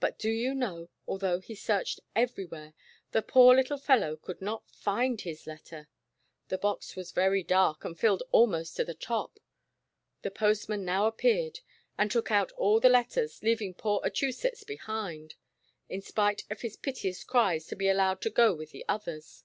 But do you know, although he searched every where, the poor little fellow could not find his letter. The box was very dark, and filled almost to the top. The postman now appeared, and took out all the letters, leaving poor Achusetts behind, in spite of his piteous cries to be allowed to go with the others.